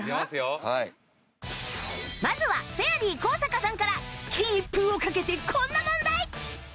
まずはフェアリー高坂さんから金一封をかけてこんな問題！